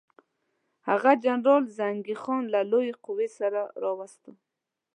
هغه جنرال زنګي خان له لویې قوې سره ورواستاوه.